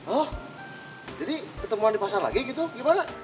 oh jadi ketemuan di pasar lagi gitu gimana